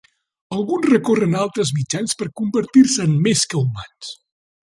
Alguns recorren a altres mitjans per convertir-se en "més" que humans.